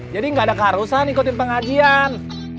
jadi nggak ada keharusan ikutin pengajian